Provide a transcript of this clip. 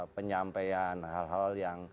penyampaian hal hal yang